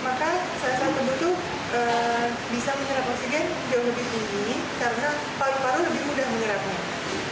maka sel sel tubuh itu bisa menyerap oksigen jauh lebih tinggi karena paru paru lebih mudah menyerapnya